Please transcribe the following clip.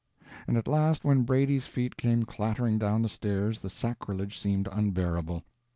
And at last when Brady's feet came clattering down the stairs the sacrilege seemed unbearable.